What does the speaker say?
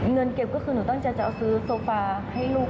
เงินเก็บก็คือหนูตั้งใจจะเอาซื้อโซฟาให้ลูก